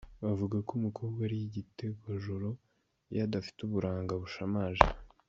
Bavuga ko umukobwa ari igitegwajoro iyo adafite uburanga bushamaje.